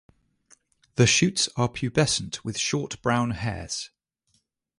The shoots are pubescent, with short brown hairs.